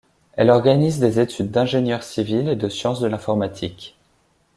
Elle organise des études d'ingénieur civil et de sciences de l'informatique.